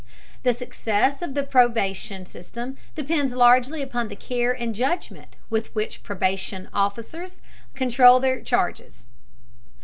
The success of the probation system depends largely upon the care and judgment with which probation officers control their charges.